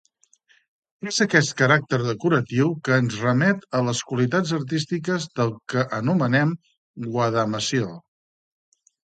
És aquest caràcter decoratiu que ens remet a les qualitats artístiques del que anomenem guadamassil.